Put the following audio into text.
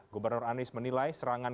gubernur anies menilai serangan